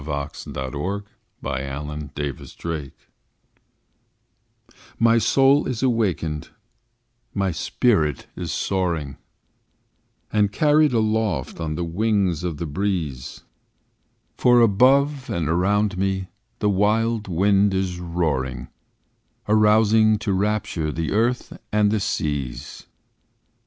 Branwell Brontë My soul is awakened MY soul is awakened, my spirit is soaring, And carried aloft on the wings of the breeze; For, above, and around me, the wild wind is roaring, Arousing to rapture the earth and the seas.